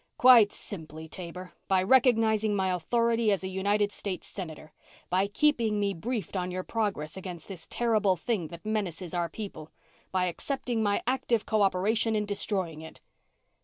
"Quite simply, Taber. By recognizing my authority as a United States Senator. By keeping me briefed on your progress against this terrible thing that menaces our people. By accepting my active co operation in destroying it."